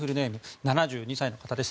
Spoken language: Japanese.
７２歳の方です。